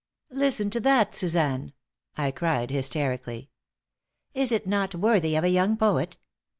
"Listen to that, Suzanne," I cried, hysterically. "Is it not worthy of a young poet?